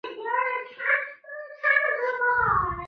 涓流就是以低速率且恒定方式对电池提供很小的充电电流。